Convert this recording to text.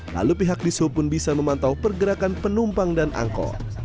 lalu pihak dishub pun bisa memantau pergerakan penumpang dan angkot